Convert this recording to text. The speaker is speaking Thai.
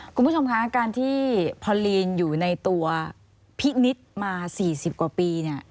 คุณผู้ชมค่ะการที่พอลีนอยู่ในตัวพิกนิตมา๔๐กว่าปี